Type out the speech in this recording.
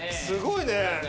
すごいね。